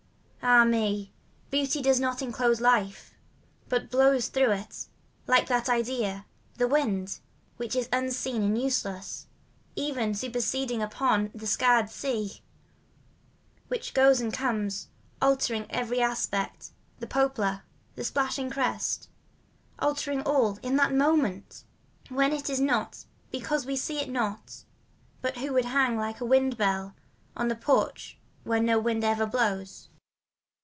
Ah me, beauty does not enclose life. But blows through it — Like that idea, the wind, Which is unseen and useless, Even superseded upon The scarred sea; Glenway Wescott Which goes and comes Altering every aspect — The poplar, the splashing crest — Altering all, in that moment When it is not Because we see it not. But who would hang Like a wind bell On a porch where no wind ever blows?